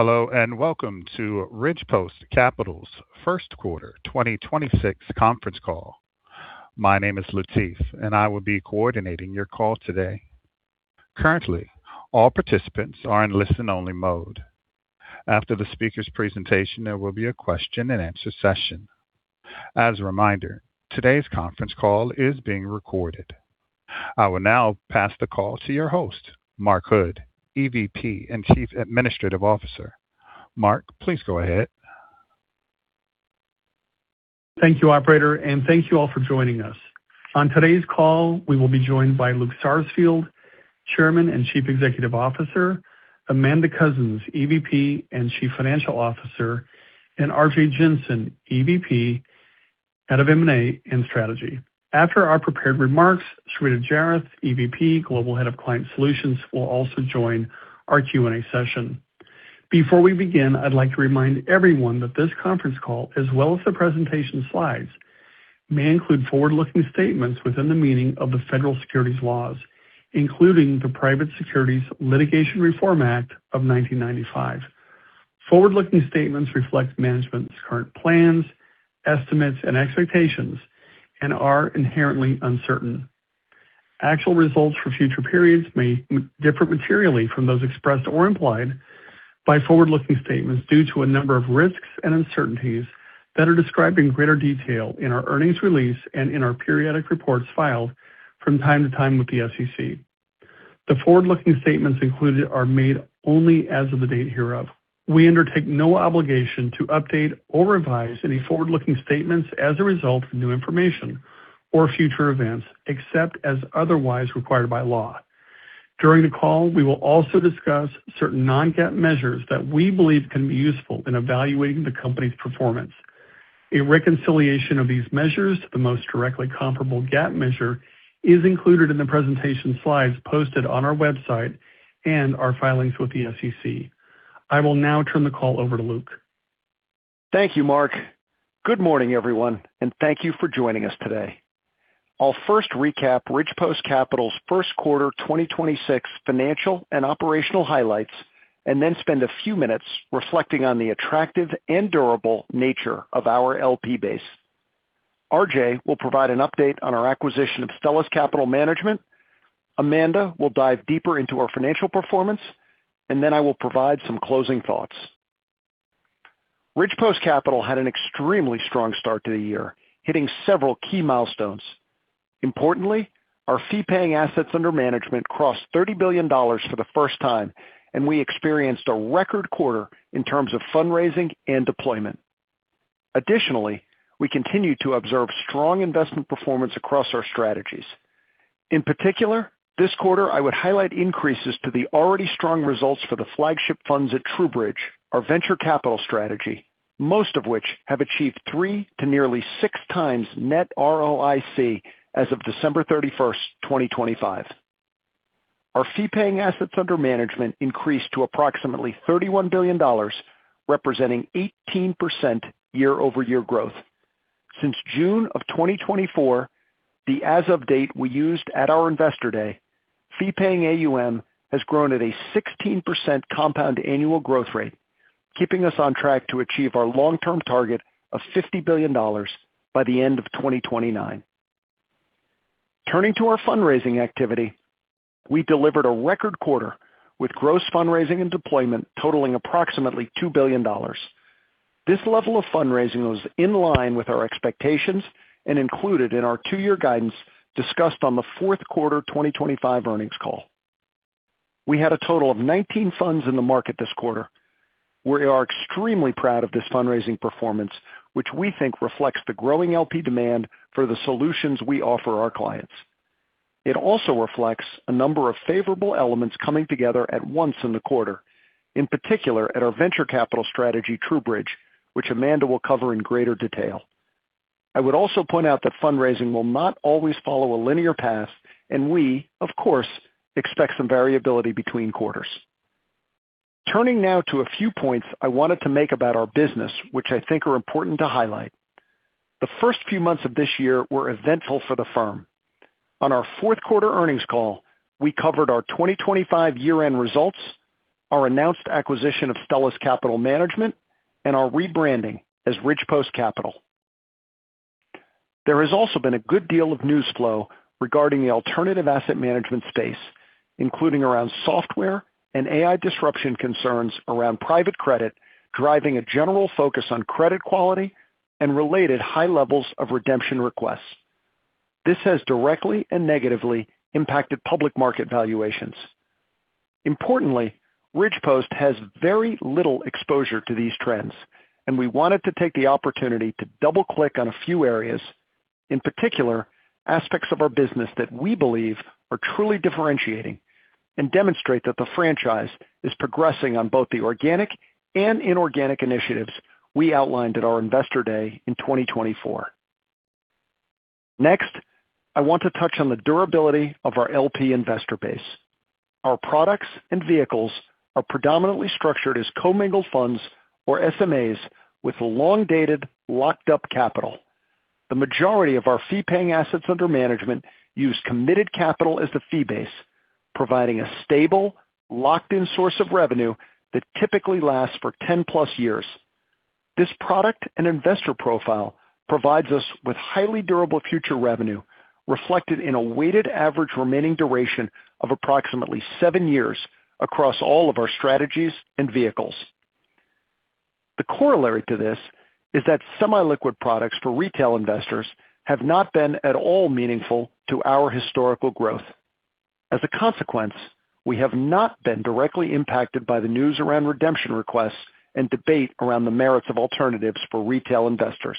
Hello and welcome to Ridgepost Capital's first quarter 2026 conference call. My name is Latif, and I will be coordinating your call today. Currently, all participants are in listen-only mode. After the speaker's presentation, there will be a question-and-answer session. As a reminder, today's conference call is being recorded. I will now pass the call to your host, Mark Hood, EVP and Chief Administrative Officer. Mark, please go ahead. Thank you, operator, and thank you all for joining us. On today's call, we will be joined by Luke Sarsfield, Chairman and Chief Executive Officer, Amanda Coussens, EVP and Chief Financial Officer, and Arjay Jensen, EVP, Head of M&A and Strategy. After our prepared remarks, Sarita Narson Jairath, EVP, Global Head of Client Solutions, will also join our Q&A session. Before we begin, I'd like to remind everyone that this conference call, as well as the presentation slides, may include forward-looking statements within the meaning of the federal securities laws, including the Private Securities Litigation Reform Act of 1995. Forward-looking statements reflect management's current plans, estimates, and expectations and are inherently uncertain. Actual results for future periods may differ materially from those expressed or implied by forward-looking statements due to a number of risks and uncertainties that are described in greater detail in our earnings release and in our periodic reports filed from time to time with the SEC. The forward-looking statements included are made only as of the date hereof. We undertake no obligation to update or revise any forward-looking statements as a result of new information or future events, except as otherwise required by law. During the call, we will also discuss certain non-GAAP measures that we believe can be useful in evaluating the company's performance. A reconciliation of these measures to the most directly comparable GAAP measure is included in the presentation slides posted on our website and our filings with the SEC. I will now turn the call over to Luke. Thank you, Mark. Good morning, everyone, and thank you for joining us today. I'll first recap Ridgepost Capital's first quarter 2026 financial and operational highlights and then spend a few minutes reflecting on the attractive and durable nature of our LP base. Arjay will provide an update on our acquisition of Stellus Capital Management. Amanda will dive deeper into our financial performance, and then I will provide some closing thoughts. Ridgepost Capital had an extremely strong start to the year, hitting several key milestones. Importantly, our fee-paying assets under management crossed $30 billion for the first time, and we experienced a record quarter in terms of fundraising and deployment. Additionally, we continue to observe strong investment performance across our strategies. In particular, this quarter, I would highlight increases to the already strong results for the flagship funds at TrueBridge, our venture capital strategy, most of which have achieved 3x to nearly 6x net ROIC as of December 31, 2025. Our fee-paying assets under management increased to approximately $31 billion, representing 18% year-over-year growth. Since June of 2024, the as-of date we used at our Investor Day, fee-paying AUM has grown at a 16% compound annual growth rate, keeping us on track to achieve our long-term target of $50 billion by the end of 2029. Turning to our fundraising activity, we delivered a record quarter with gross fundraising and deployment totaling approximately $2 billion. This level of fundraising was in line with our expectations and included in our two-year guidance discussed on the fourth quarter 2025 earnings call. We had a total of 19 funds in the market this quarter. We are extremely proud of this fundraising performance, which we think reflects the growing LP demand for the solutions we offer our clients. It also reflects a number of favorable elements coming together at once in the quarter, in particular at our venture capital strategy, TrueBridge, which Amanda will cover in greater detail. I would also point out that fundraising will not always follow a linear path. We, of course, expect some variability between quarters. Turning now to a few points I wanted to make about our business, which I think are important to highlight. The first few months of this year were eventful for the firm. On our fourth quarter earnings call, we covered our 2025 year-end results, our announced acquisition of Stellus Capital Management, and our rebranding as Ridgepost Capital. There has also been a good deal of news flow regarding the alternative asset management space, including around software and AI disruption concerns around private credit, driving a general focus on credit quality and related high levels of redemption requests. This has directly and negatively impacted public market valuations. Importantly, Ridgepost has very little exposure to these trends, and we wanted to take the opportunity to double-click on a few areas, in particular, aspects of our business that we believe are truly differentiating and demonstrate that the franchise is progressing on both the organic and inorganic initiatives we outlined at our Investor Day in 2024. Next, I want to touch on the durability of our LP investor base. Our products and vehicles are predominantly structured as commingled funds or SMAs with long-dated, locked-up capital. The majority of our fee-paying assets under management use committed capital as the fee base, providing a stable, locked-in source of revenue that typically lasts for 10+ years. This product and investor profile provides us with highly durable future revenue reflected in a weighted average remaining duration of approximately seven years across all of our strategies and vehicles. The corollary to this is that semi-liquid products for retail investors have not been at all meaningful to our historical growth. We have not been directly impacted by the news around redemption requests and debate around the merits of alternatives for retail investors.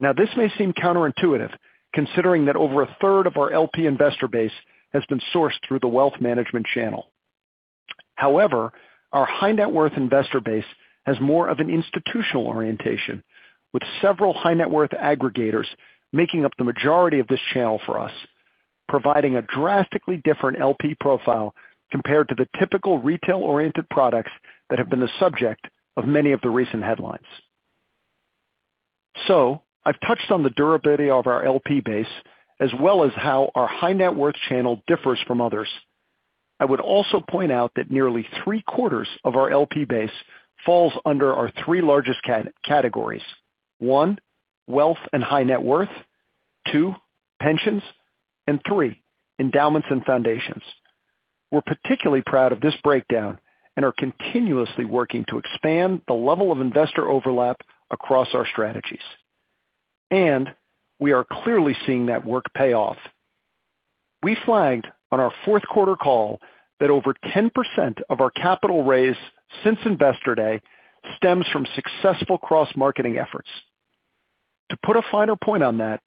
This may seem counterintuitive considering that over a third of our LP investor base has been sourced through the wealth management channel. Our high net worth investor base has more of an institutional orientation, with several high net worth aggregators making up the majority of this channel for us, providing a drastically different LP profile compared to the typical retail-oriented products that have been the subject of many of the recent headlines. I've touched on the durability of our LP base as well as how our high net worth channel differs from others. I would also point out that nearly three-quarters of our LP base falls under our three largest categories. One, wealth and high net worth. Two, pensions. Three, endowments and foundations. We're particularly proud of this breakdown and are continuously working to expand the level of investor overlap across our strategies. We are clearly seeing that work pay off. We flagged on our fourth quarter call that over 10% of our capital raise since Investor Day stems from successful cross-marketing efforts. To put a finer point on that,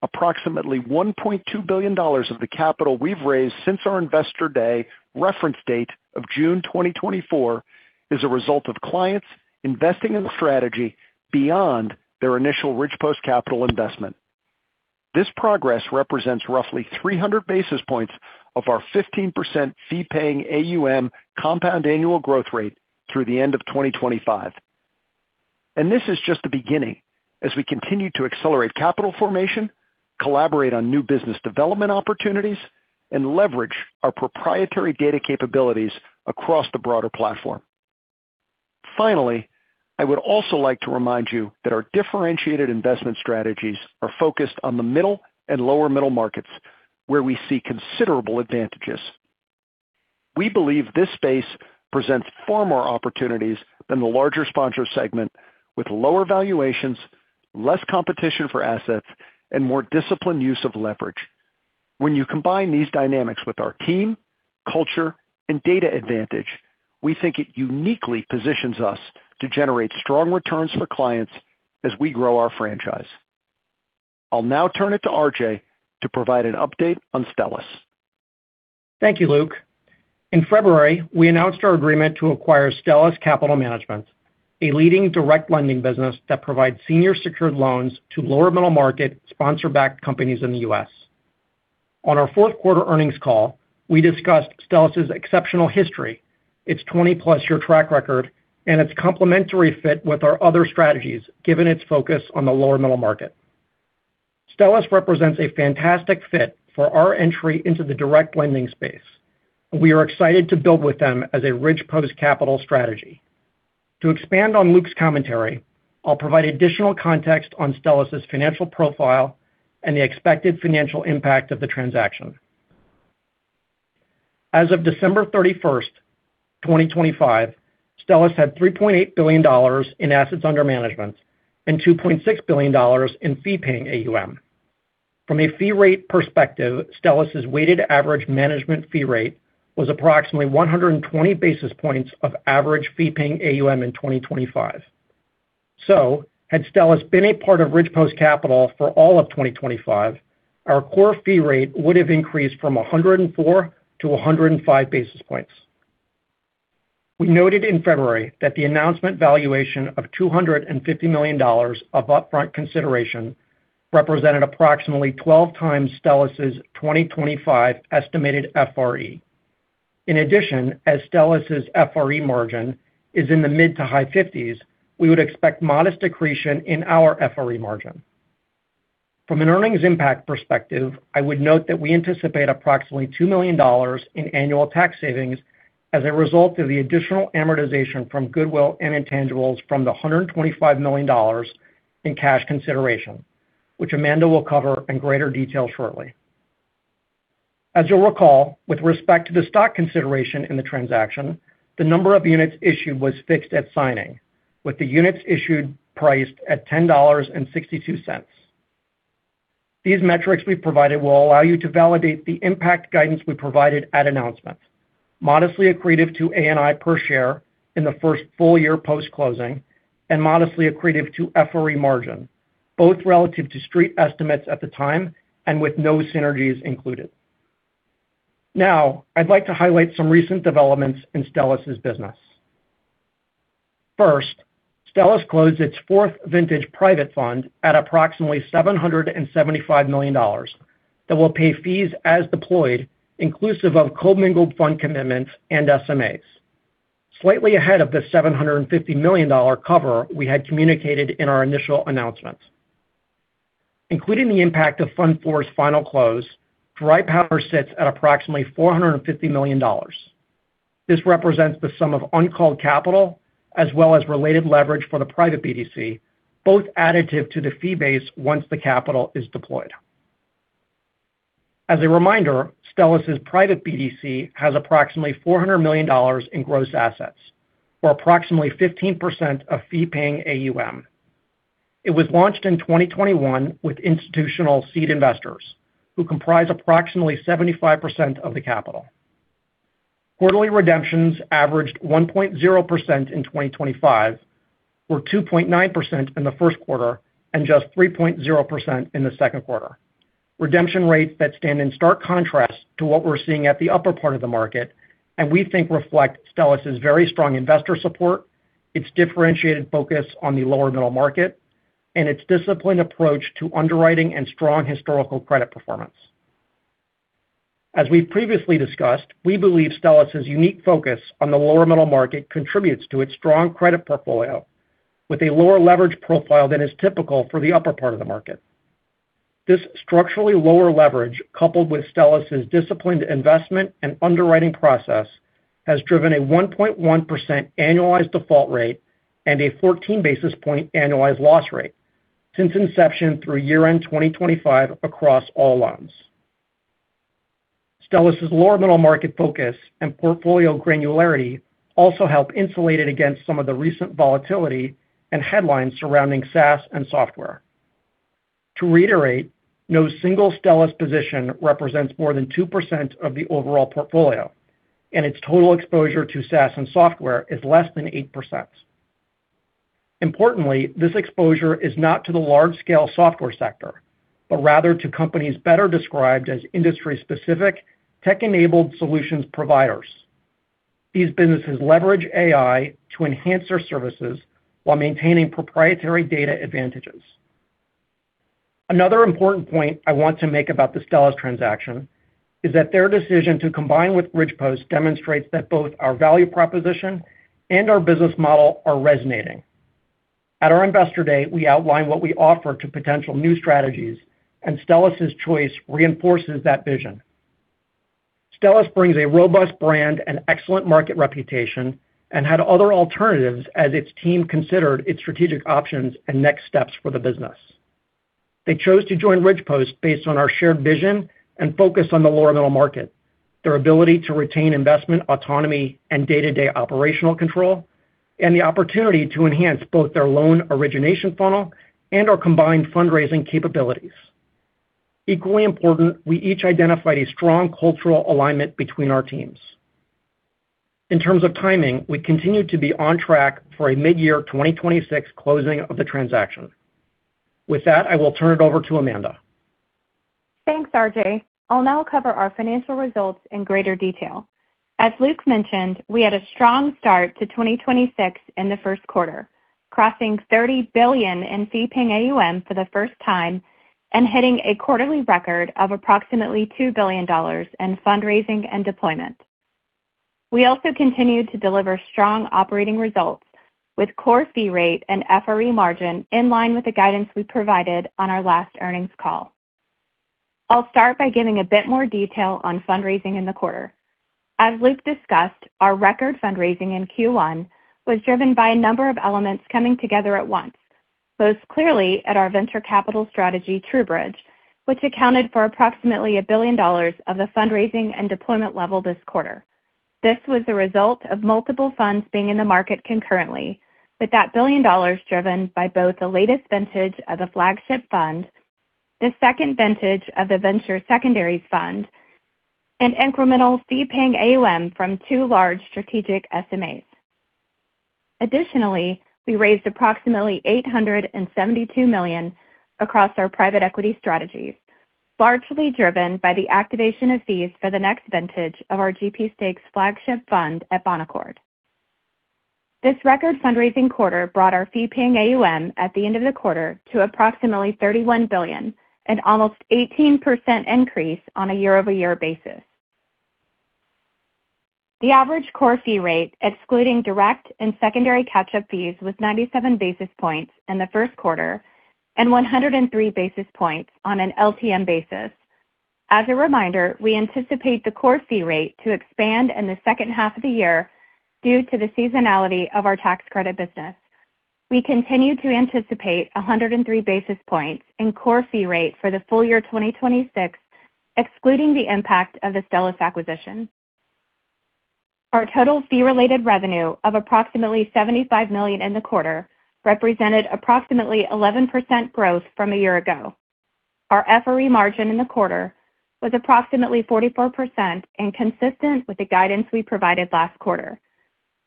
approximately $1.2 billion of the capital we've raised since our Investor Day reference date of June 2024 is a result of clients investing in the strategy beyond their initial Ridgepost Capital investment. This progress represents roughly 300 basis points of our 15% fee-paying AUM compound annual growth rate through the end of 2025. This is just the beginning as we continue to accelerate capital formation, collaborate on new business development opportunities, and leverage our proprietary data capabilities across the broader platform. Finally, I would also like to remind you that our differentiated investment strategies are focused on the middle and lower middle markets where we see considerable advantages. We believe this space presents far more opportunities than the larger sponsor segment with lower valuations, less competition for assets, and more disciplined use of leverage. When you combine these dynamics with our team, culture, and data advantage, we think it uniquely positions us to generate strong returns for clients as we grow our franchise. I'll now turn it to Arjay to provide an update on Stellus. Thank you, Luke. In February, we announced our agreement to acquire Stellus Capital Management, a leading direct lending business that provides senior secured loans to lower middle-market sponsor-backed companies in the U.S. On our fourth quarter earnings call, we discussed Stellus' exceptional history, its 20+ year track record, and its complementary fit with our other strategies, given its focus on the lower middle market. Stellus represents a fantastic fit for our entry into the direct lending space. We are excited to build with them as a Ridgepost Capital strategy. To expand on Luke's commentary, I'll provide additional context on Stellus' financial profile and the expected financial impact of the transaction. As of December 31st, 2025, Stellus had $3.8 billion in assets under management and $2.6 billion in fee-paying AUM. From a fee rate perspective, Stellus' weighted average management fee rate was approximately 120 basis points of average fee-paying AUM in 2025. Had Stellus been a part of Ridgepost Capital for all of 2025, our core fee rate would have increased from 104-105 basis points. We noted in February that the announcement valuation of $250 million of upfront consideration represented approximately 12x Stellus' 2025 estimated FRE. In addition, as Stellus' FRE margin is in the mid to high fifties, we would expect modest accretion in our FRE margin. From an earnings impact perspective, I would note that we anticipate approximately $2 million in annual tax savings as a result of the additional amortization from goodwill and intangibles from the $125 million in cash consideration, which Amanda will cover in greater detail shortly. As you'll recall, with respect to the stock consideration in the transaction, the number of units issued was fixed at signing, with the units issued priced at $10.62. These metrics we provided will allow you to validate the impact guidance we provided at announcement, modestly accretive to ANI per share in the first full-year post-closing and modestly accretive to FRE margin, both relative to street estimates at the time and with no synergies included. I'd like to highlight some recent developments in Stellus' business. Stellus closed its fourth vintage private fund at approximately $775 million that will pay fees as deployed inclusive of commingled fund commitments and SMAs. Slightly ahead of the $750 million cover we had communicated in our initial announcement. Including the impact of Fund IV's final close, dry powder sits at approximately $450 million. This represents the sum of uncalled capital as well as related leverage for the private BDC, both additive to the fee base once the capital is deployed. As a reminder, Stellus' private BDC has approximately $400 million in gross assets, or approximately 15% of fee-paying AUM. It was launched in 2021 with institutional seed investors who comprise approximately 75% of the capital. Quarterly redemptions averaged 1.0% in 2025, or 2.9% in the first quarter, and just 3.0% in the second quarter. Redemption rates that stand in stark contrast to what we're seeing at the upper part of the market, and we think reflect Stellus' very strong investor support, its differentiated focus on the lower middle market, and its disciplined approach to underwriting and strong historical credit performance. As we previously discussed, we believe Stellus' unique focus on the lower middle market contributes to its strong credit portfolio with a lower leverage profile than is typical for the upper part of the market. This structurally lower leverage, coupled with Stellus' disciplined investment and underwriting process, has driven a 1.1% annualized default rate and a 14 basis point annualized loss rate since inception through year-end 2025 across all loans. Stellus' lower middle market focus and portfolio granularity also help insulate it against some of the recent volatility and headlines surrounding SaaS and software. To reiterate, no single Stellus position represents more than 2% of the overall portfolio, and its total exposure to SaaS and software is less than 8%. Importantly, this exposure is not to the large-scale software sector, but rather to companies better described as industry-specific tech-enabled solutions providers. These businesses leverage AI to enhance their services while maintaining proprietary data advantages. Another important point I want to make about the Stellus transaction is that their decision to combine with Ridgepost demonstrates that both our value proposition and our business model are resonating. At our Investor Day, we outlined what we offer to potential new strategies. Stellus' choice reinforces that vision. Stellus brings a robust brand and excellent market reputation and had other alternatives as its team considered its strategic options and next steps for the business. They chose to join Ridgepost based on our shared vision and focus on the lower middle market, their ability to retain investment autonomy and day-to-day operational control, and the opportunity to enhance both their loan origination funnel and our combined fundraising capabilities. Equally important, we each identified a strong cultural alignment between our teams. In terms of timing, we continue to be on track for a mid-year 2026 closing of the transaction. With that, I will turn it over to Amanda. Thanks, Arjay. I'll now cover our financial results in greater detail. As Luke mentioned, we had a strong start to 2026 in the first quarter, crossing $30 billion in fee-paying AUM for the first time and hitting a quarterly record of approximately $2 billion in fundraising and deployment. We also continued to deliver strong operating results with core fee rate and FRE margin in line with the guidance we provided on our last earnings call. I'll start by giving a bit more detail on fundraising in the quarter. As Luke discussed, our record fundraising in Q1 was driven by a number of elements coming together at once. Most clearly at our venture capital strategy, TrueBridge, which accounted for approximately $1 billion of the fundraising and deployment level this quarter. This was the result of multiple funds being in the market concurrently, with that $1 billion driven by both the latest vintage of the flagship fund, the second vintage of the venture secondaries fund, and incremental fee-paying AUM from two large strategic SMAs. Additionally, we raised approximately $872 million across our private equity strategies, largely driven by the activation of fees for the next vintage of our GP stakes flagship fund at Bonaccord. This record fundraising quarter brought our fee-paying AUM at the end of the quarter to approximately $31 billion, an almost 18% increase on a year-over-year basis. The average core fee rate, excluding direct and secondary catch-up fees, was 97 basis points in the first quarter and 103 basis points on an LTM basis. As a reminder, we anticipate the core fee rate to expand in the second half of the year due to the seasonality of our tax credit business. We continue to anticipate 103 basis points in core fee rate for the full year 2026, excluding the impact of the Stellus acquisition. Our total fee-related revenue of approximately $75 million in the quarter represented approximately 11% growth from a year ago. Our FRE margin in the quarter was approximately 44% and consistent with the guidance we provided last quarter.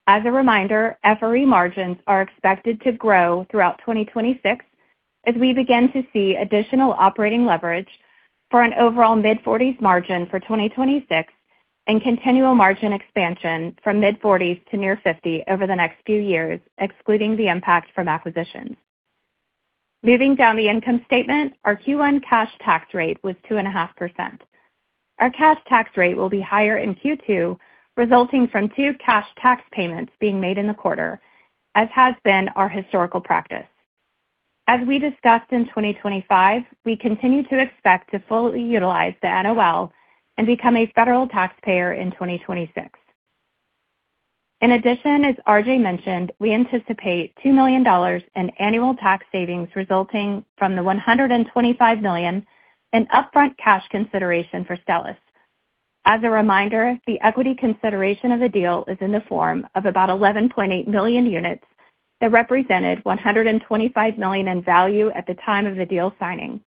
As a reminder, FRE margins are expected to grow throughout 2026 as we begin to see additional operating leverage for an overall mid-40s margin for 2026 and continual margin expansion from mid-40s to near 50 over the next few years, excluding the impact from acquisitions. Moving down the income statement, our Q1 cash tax rate was 2.5%. Our cash tax rate will be higher in Q2, resulting from two cash tax payments being made in the quarter, as has been our historical practice. As we discussed in 2025, we continue to expect to fully utilize the NOL and become a federal taxpayer in 2026. In addition, as Arjay mentioned, we anticipate $2 million in annual tax savings resulting from the $125 million in upfront cash consideration for Stellus. As a reminder, the equity consideration of the deal is in the form of about 11.8 million units that represented $125 million in value at the time of the deal signing.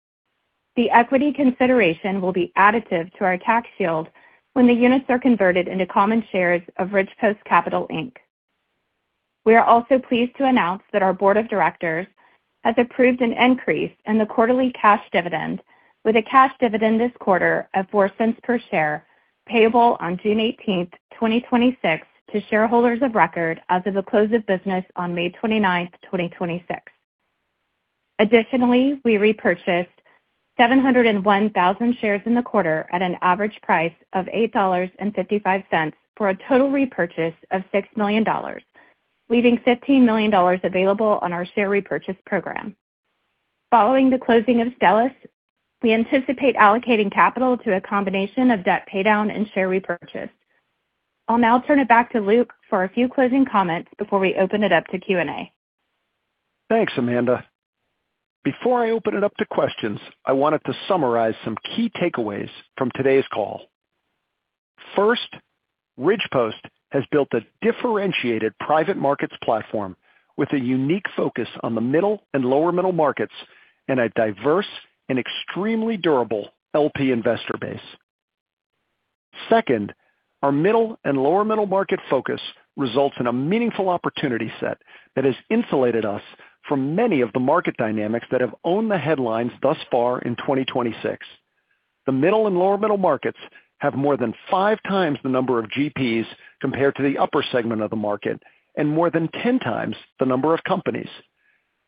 The equity consideration will be additive to our tax shield when the units are converted into common shares of Ridgepost Capital, Inc. We are also pleased to announce that our board of directors has approved an increase in the quarterly cash dividend with a cash dividend this quarter of $0.04 per share, payable on June 18, 2026 to shareholders of record as of the close of business on May 29, 2026. Additionally, we repurchased 701,000 shares in the quarter at an average price of $8.55 for a total repurchase of $6 million, leaving $15 million available on our share repurchase program. Following the closing of Stellus, we anticipate allocating capital to a combination of debt paydown and share repurchase. I'll now turn it back to Luke for a few closing comments before we open it up to Q&A. Thanks, Amanda. Before I open it up to questions, I wanted to summarize some key takeaways from today's call. First, Ridgepost has built a differentiated private markets platform with a unique focus on the middle and lower middle markets and a diverse and extremely durable LP investor base. Second, our middle and lower middle market focus results in a meaningful opportunity set that has insulated us from many of the market dynamics that have owned the headlines thus far in 2026. The middle and lower middle markets have more than five times the number of GPs compared to the upper segment of the market and more than 10x the number of companies.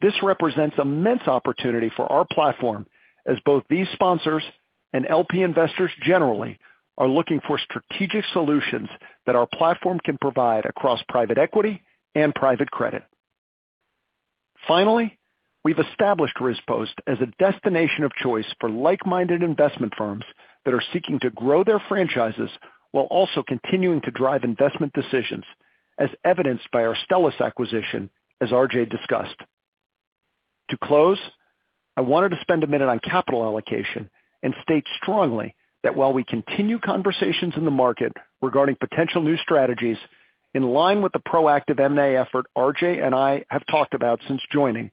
This represents immense opportunity for our platform as both these sponsors and LP investors generally are looking for strategic solutions that our platform can provide across private equity and private credit. Finally, we've established Ridgepost as a destination of choice for like-minded investment firms that are seeking to grow their franchises while also continuing to drive investment decisions, as evidenced by our Stellus acquisition, as Arjay discussed. To close, I wanted to spend a minute on capital allocation and state strongly that while we continue conversations in the market regarding potential new strategies in line with the proactive M&A effort Arjay and I have talked about since joining,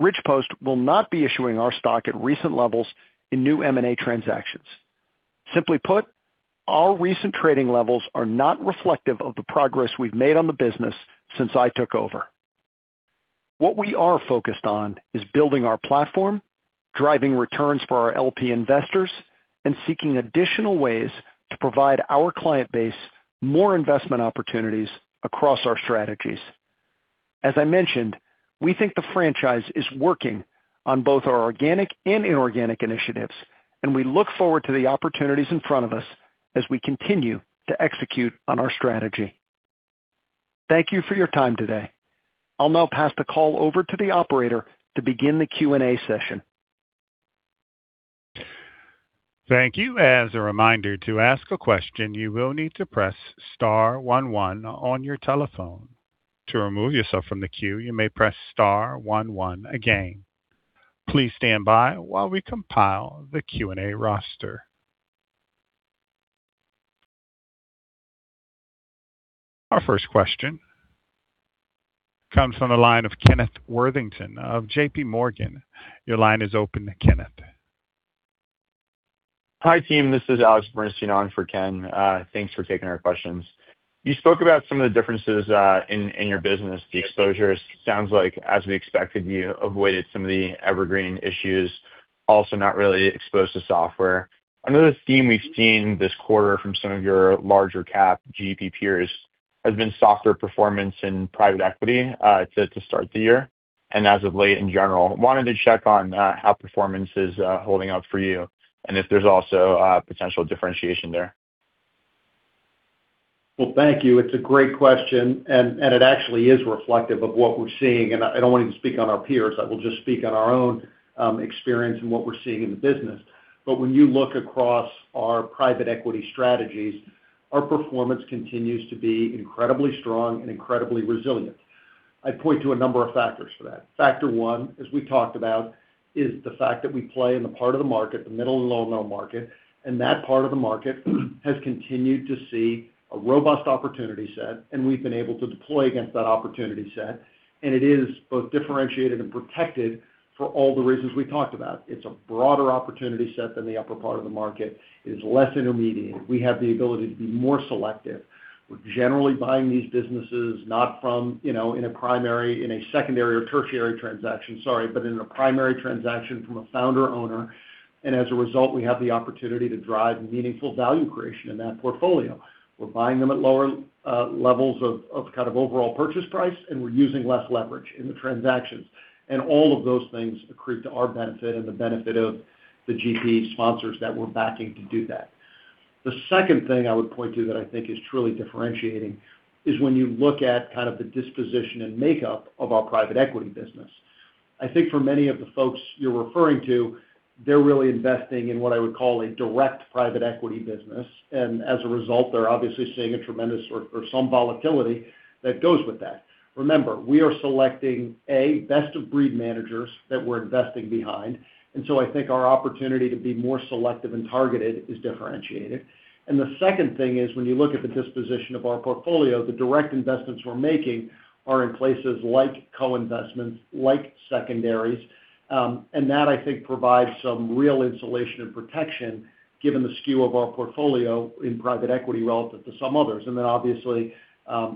Ridgepost will not be issuing our stock at recent levels in new M&A transactions. Simply put, our recent trading levels are not reflective of the progress we've made on the business since I took over. What we are focused on is building our platform, driving returns for our LP investors, and seeking additional ways to provide our client base more investment opportunities across our strategies. As I mentioned, we think the franchise is working on both our organic and inorganic initiatives, and we look forward to the opportunities in front of us as we continue to execute on our strategy. Thank you for your time today. I'll now pass the call over to the operator to begin the Q&A session. Thank you. As a reminder, to ask a question, you will need to press star one one on your telephone. To remove yourself from the queue, you may press star one one again. Please stand by while we compile the Q&A roster. Our first question comes from the line of Kenneth Worthington of JPMorgan. Your line is open, Kenneth. Hi, team. This is Alexander Bernstein on for Kenneth. Thanks for taking our questions. You spoke about some of the differences in your business, the exposures. Sounds like, as we expected, you avoided some of the evergreen issues, also not really exposed to software. Another theme we've seen this quarter from some of your larger cap GP peers has been softer performance in private equity to start the year and as of late in general. Wanted to check on how performance is holding up for you and if there's also potential differentiation there. Well, thank you. It's a great question, and it actually is reflective of what we're seeing. I don't want to even speak on our peers. I will just speak on our own experience and what we're seeing in the business. When you look across our private equity strategies, our performance continues to be incredibly strong and incredibly resilient. I'd point to a number of factors for that. Factor one, as we talked about, is the fact that we play in the part of the market, the middle and lower middle market, and that part of the market has continued to see a robust opportunity set, and we've been able to deploy against that opportunity set. It is both differentiated and protected for all the reasons we talked about. It's a broader opportunity set than the upper part of the market. It is less intermediate. We have the ability to be more selective. We're generally buying these businesses not from in a secondary or tertiary transaction. Sorry, in a primary transaction from a founder owner. As a result, we have the opportunity to drive meaningful value creation in that portfolio. We're buying them at lower levels of kind of overall purchase price, and we're using less leverage in the transactions. All of those things accrue to our benefit and the benefit of the GP sponsors that we're backing to do that. The second thing I would point to that I think is truly differentiating is when you look at kind of the disposition and makeup of our private equity business. I think for many of the folks you're referring to, they're really investing in what I would call a direct private equity business. As a result, they're obviously seeing a tremendous or some volatility that goes with that. Remember, we are selecting best-of-breed managers that we're investing behind. I think our opportunity to be more selective and targeted is differentiated. The second thing is, when you look at the disposition of our portfolio, the direct investments we're making are in places like co-investments, like secondaries. That I think, provides some real insulation and protection given the skew of our portfolio in private equity relative to some others. Obviously,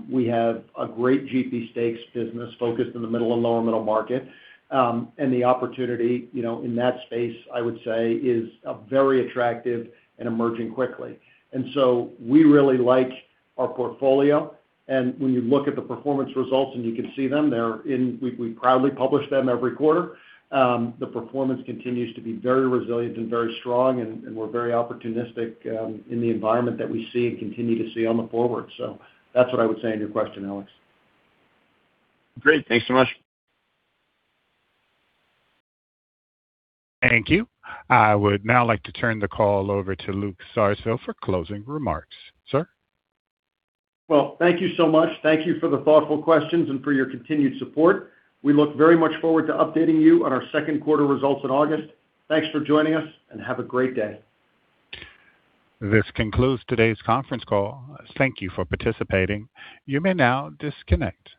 we have a great GP stakes business focused in the middle and lower middle market. The opportunity, you know, in that space, I would say is very attractive and emerging quickly. We really like our portfolio. When you look at the performance results, and you can see them, we proudly publish them every quarter. The performance continues to be very resilient and very strong, and we're very opportunistic in the environment that we see and continue to see on the forward. That's what I would say on your question, Alex. Great. Thanks so much. Thank you. I would now like to turn the call over to Luke Sarsfield for closing remarks. Sir? Well, thank you so much. Thank you for the thoughtful questions and for your continued support. We look very much forward to updating you on our second quarter results in August. Thanks for joining us, and have a great day. This concludes today's conference call. Thank you for participating. You may now disconnect.